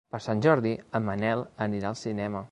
Per Sant Jordi en Manel anirà al cinema.